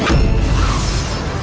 ini mah aneh